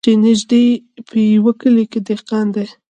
چي نیژدې په یوه کلي کي دهقان دی